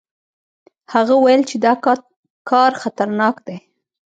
هغه ویل چې دا کار خطرناک دی.